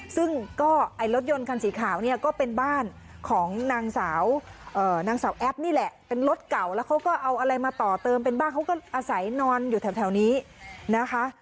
ซึ่งก็ไอ้รถยนต์คันสีขาวเนี่ยก็เป็นบ้านของนางสาวนางสาวแอปนี่แหละเป็นรถเก่าแล้วเขาก็เอาอะไรมาต่อเติมเป็นบ้านเขาก็อาศัยนอนอยู่แถวนี้นะคะ